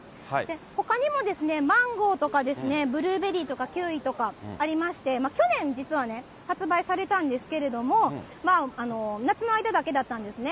ほかにも、マンゴーとかブルーベリーとかキウイとかありまして、去年、実は発売されたんですけれども、夏の間だけだったんですね。